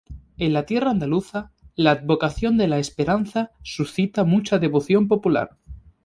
En la tierra andaluza, la advocación de la "Esperanza" suscita mucha devoción popular.